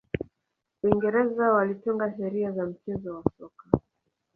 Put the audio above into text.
uingereza walitunga sheria za mchezo wa soka